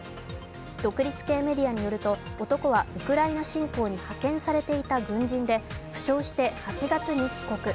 独立系メディアによると男はウクライナ侵攻に派遣されていた軍人で負傷した８月に帰国。